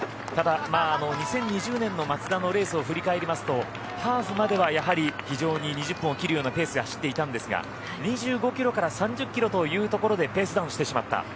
ただ、２０２０年の松田のレースを振り返りますとハーフまではやはり非常に２０分を切るようなペースで走っていたんですが２５キロから３０キロというところでペースダウンしてしまった。